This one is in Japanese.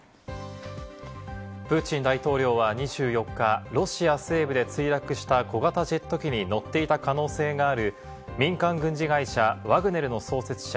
プーチン大統領は２４日、ロシア西部で墜落した小型ジェット機に乗っていた可能性がある民間軍事会社ワグネルの創設者